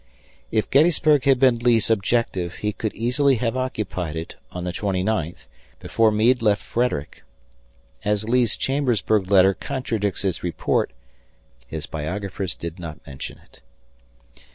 If Gettysburg had been Lee's objective, he could easily have occupied it on the twenty ninth, before Meade left Frederick. As Lee's Chambersburg letter contradicts his report, his biographers did not mention it.